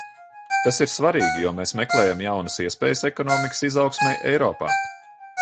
Tas ir svarīgi, jo mēs meklējam jaunas iespējas ekonomikas izaugsmei Eiropā.